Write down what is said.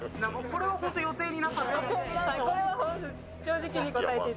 これは予定になかった。